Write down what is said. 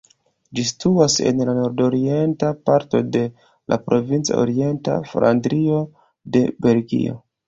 Ĝi situas en la nordorienta parto de la provinco Orienta Flandrio de Belgio.